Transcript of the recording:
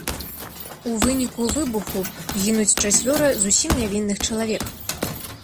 У выніку выбуху гінуць чацвёра зусім нявінных чалавек.